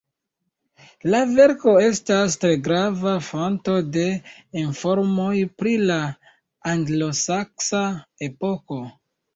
La verko estas tre grava fonto de informoj pri la anglosaksa epoko.